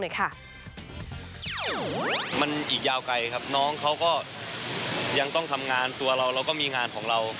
เขาก็ยังต้องทำงานตัวเราเราก็มีงานของเรา